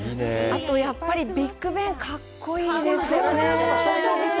あと、やっぱりビッグベン、格好いいですよね。